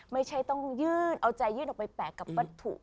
ไม่ใช่ต้องยื่นเอาใจยื่นออกไปแปลกกับวัตถุ